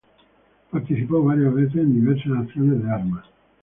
Participó varias veces en diversas acciones de armas.